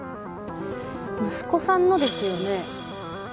息子さんのですよね？